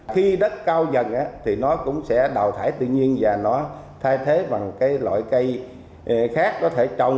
khi đất cao dần thì nó cũng sẽ đào thải tự nhiên và nó thay thế bằng cái loại cây khác có thể trồng